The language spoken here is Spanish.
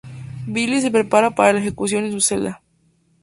Billy se prepara para la ejecución en su celda.